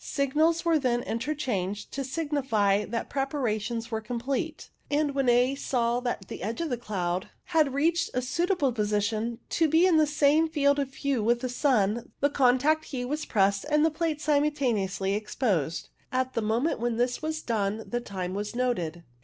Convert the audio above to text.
Signals were then interchanged, to signify that preparations were com plete, and when A saw that the edge of the cloud had reached a suitable position to be in the same field of view with the sun, the contact key was pressed and the plates simultaneously exposed. At the moment when this was done the time was noted.